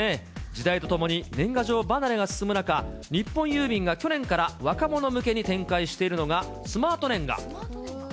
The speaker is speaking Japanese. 時代とともに年賀状離れが進む中、日本郵便が去年から若者向けに展開しているのがスマート年賀。